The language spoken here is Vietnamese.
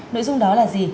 nội dung đó là gì